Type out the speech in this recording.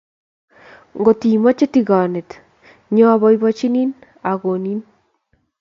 Ngot imoche tigonet nyu, aboibochini akonin